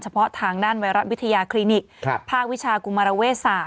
เพาะทางด้านไวรัสวิทยาคลินิกภาควิชากุมารเวศาสต